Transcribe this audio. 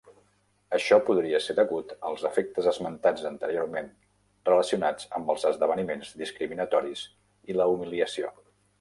Això podria ser degut als efectes esmentats anteriorment relacionats amb els esdeveniments discriminatoris i la humiliació.